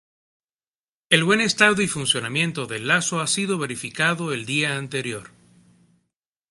El buen estado y funcionamiento del lazo ha sido verificado el día anterior.